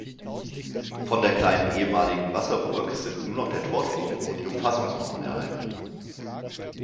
Von der kleinen ehemaligen Wasserburg sind noch der Torturm und die Umfassungsmauern erhalten.